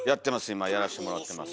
今やらしてもらってます。